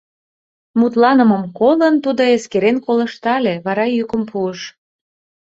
Мутланымым колын, тудо эскерен колыштале, вара йӱкым пуыш: